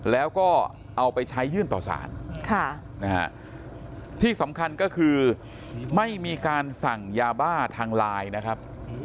แล้วก็เอาไปใช้ยื่นต่อสารที่สำคัญก็คือไม่มีการสั่งยาบ้าทางไลน์นะครับ